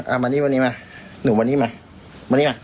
อ่ามานี่มานี่มาหนูมานี่มามานี่มา